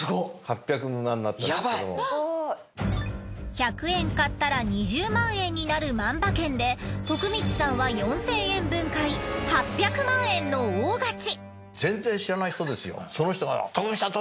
１００円買ったら２０万円になる万馬券で徳光さんは４，０００円分買い８００万円の大勝ち。